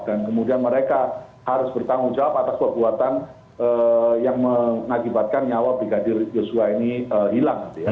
dan kemudian mereka harus bertanggung jawab atas kekuatan yang mengakibatkan nyawa brigadir joshua ini hilang